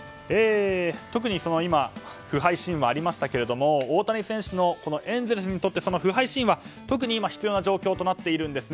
特に今、不敗神話がありましたが大谷選手のエンゼルスにとって不敗神話特に今、必要な状況になっているんです。